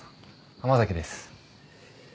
浜崎です。